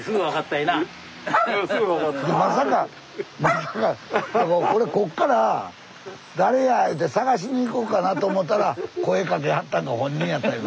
いやまさかまさか俺こっから誰やいうて探しに行こうかなと思ったら声かけはったの本人やったいうの。